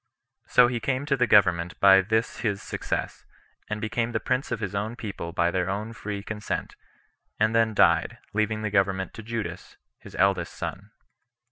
So he came to the government by this his success, and became the prince of his own people by their own free consent, and then died, leaving the government to Judas, his eldest son.